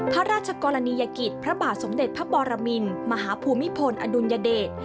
พระราชกรณียกิจพระบาทสมเด็จพระปรมินมหาภูมิพลอดุลยเดช